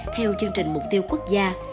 theo chương trình mục tiêu quốc gia